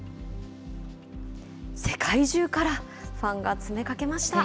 世界中からファンが詰めかけました。